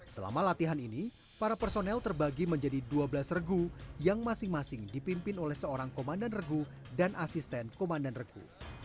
selama latihan ini para personel terbagi menjadi dua belas regu yang masing masing dipimpin oleh seorang komandan regu dan asisten komandan regu